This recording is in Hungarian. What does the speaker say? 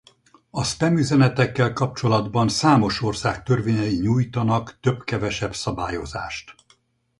A spam üzenetekkel kapcsolatban számos ország törvényei nyújtanak több-kevesebb szabályozást.